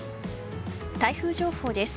台風情報です。